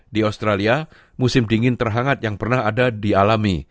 di australia musim dingin terhangat yang pernah ada dialami